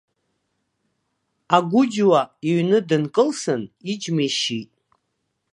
Агәыџьуа иҩны дынкылсын, иџьма ишьит.